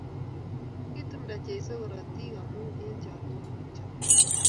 Kitumda Jesu korotik amu eng chalwogik chok